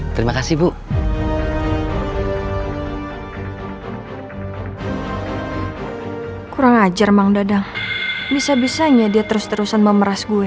terima kasih bu kurang ajar mang dadang bisa bisanya dia terus terusan memeras gue